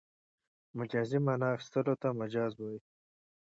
مجازي مانا اخستلو ته مجاز وايي.